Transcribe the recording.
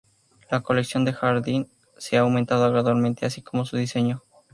La colección de jardín, se ha aumentado gradualmente así como su diseño.